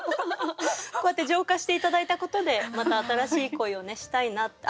こうやって浄化して頂いたことでまた新しい恋をしたいなって。